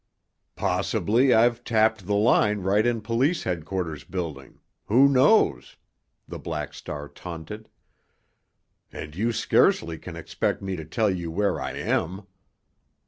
"Possibly I've tapped the line right in police headquarters building—who knows?" the Black Star taunted. "And you scarcely can expect me to tell you where I am.